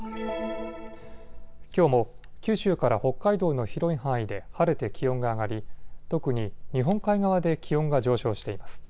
きょうも九州から北海道の広い範囲で晴れて気温が上がり、特に日本海側で気温が上昇しています。